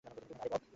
আরে, বব!